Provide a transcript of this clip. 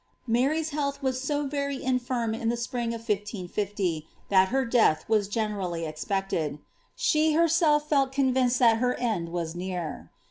Mary's health was so very infirm in the spring of 1550, that her death was generally expected ; she herself felt convinced that her end was near.